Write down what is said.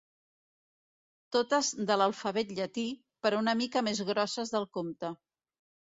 Totes de l'alfabet llatí, però una mica més grosses del compte.